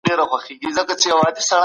ځوانان د علم په لور ځي.